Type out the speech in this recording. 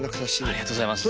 ありがとうございます。